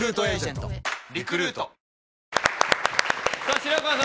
白川さん